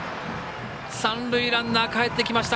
三塁ランナーかえってきました。